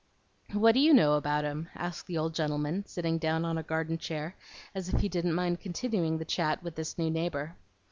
"What do you know about 'em?" asked the old gentleman, sitting down on a garden chair, as if he didn't mind continuing the chat with this new neighbor.